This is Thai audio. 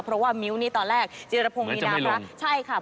เพราะว่ามิวนี้ตอนแรกเจี๊ยรพงฆ์มีน้ำลักเหมือนจะไม่ลง